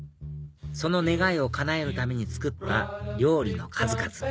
その願いをかなえるために作った料理の数々